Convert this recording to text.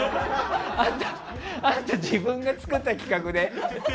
あんた、自分が作った企画で。